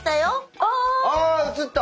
あ映った！